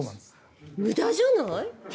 無駄じゃない？